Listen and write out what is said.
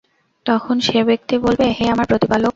তখন সে ব্যক্তি বলবে, হে আমার প্রতিপালক!